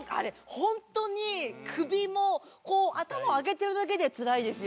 本当に首もこう頭を上げてるだけでつらいですよね。